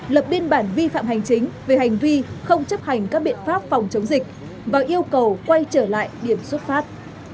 lập biên bản vi phạm hành chính về hành vi không chấp hành các biện pháp phòng chống dịch và yêu cầu quay trở lại điểm xuất phát